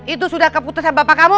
itu sudah keputusan bapak kamu